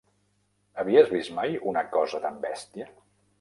Havies vist mai una cosa tan bèstia?